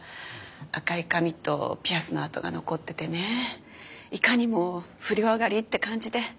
赤い髪とピアスの跡が残っててねいかにも不良上がりって感じで。